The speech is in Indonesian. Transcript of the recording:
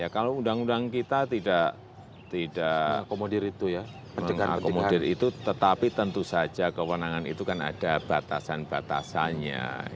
kalau undang undang kita tidak mengakomodir itu tetapi tentu saja kewenangan itu kan ada batasan batasannya